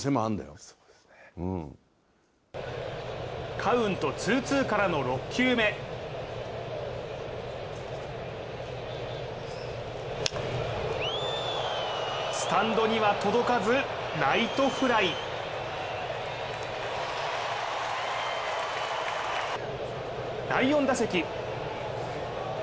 カウント２・２からの６球目スタンドには届かず、ライトフライ第４打席。